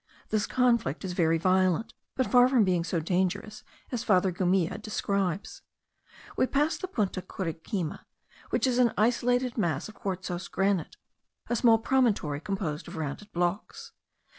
This conflict is very violent, but far from being so dangerous as Father Gumilla describes. We passed the Punta Curiquima, which is an isolated mass of quartzose granite, a small promontory composed of rounded blocks.